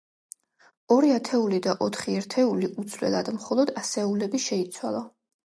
ორი ათეული და ოთხი ერთეული უცვლელად, მხოლოდ ასეულები შეიცვალა.